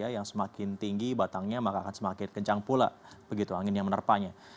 yang semakin tinggi batangnya maka akan semakin kencang pula begitu angin yang menerpanya